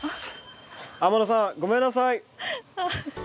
天野さんごめんなさい！